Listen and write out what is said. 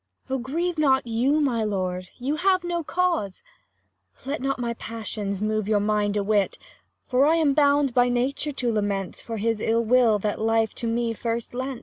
Oh, grieve not you, my lord, you have no cause j Let not my passions move your mind a whit : 10 For I am bound by nature to lament For his ill will, that life to me first lent.